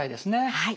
はい。